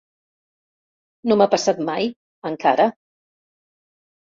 No m'ha passat mai, encara.